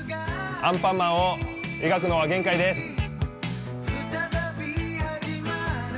「アンパンマン」を描くのが限界です。